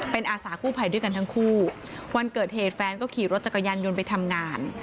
เป็นอาสากู้ภัยด้วยกันทั้งคู่วันเกิดเหตุแฟนก็ขี่รถจักรยานยนต์ไปทำงาน